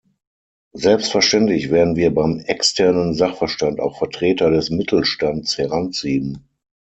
Selbstverständlich werden wir beim externen Sachverstand auch Vertreter des Mittelstands heranziehen.